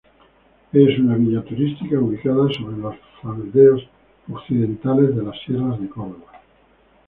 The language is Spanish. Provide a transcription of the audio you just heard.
Es una villa turística ubicado sobre los faldeos occidentales de las Sierras de Córdoba.